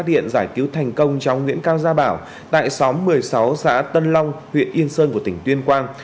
tiện giải cứu thành công cháu nguyễn cao gia bảo tại xóm một mươi sáu xã tân long huyện yên sơn của tỉnh tuyên quang